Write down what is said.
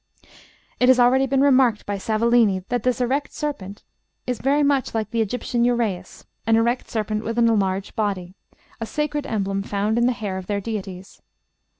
It has already been remarked by Savolini that this erect serpent is very much like the Egyptian Uræus, an erect serpent with an enlarged body a sacred emblem found in the hair of their deities.